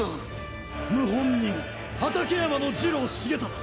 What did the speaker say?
謀反人畠山次郎重忠